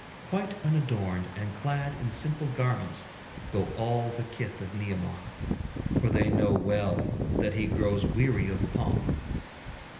Quite unadorned and clad in simple garments go all the kith of Nehemoth, for they know well that he grows weary of pomp.